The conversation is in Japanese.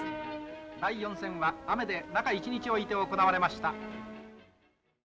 第４戦は雨で中１日置いて行われました。